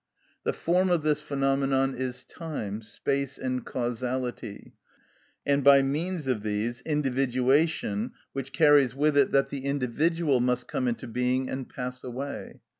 The form of this phenomenon is time, space, and causality, and by means of these individuation, which carries with it that the individual must come into being and pass away.